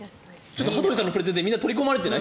羽鳥さんのプレゼンにみんな取り込まれてない？